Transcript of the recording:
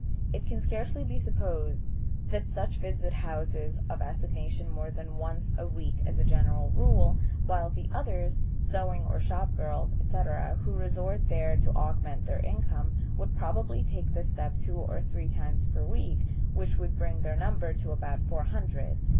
It can scarcely be supposed that such visit houses of assignation more than once a week as a general rule, while the others, sewing or shop girls, etc., who resort there to augment their income, would probably take this step two or three times per week, which would bring their number to about four hundred.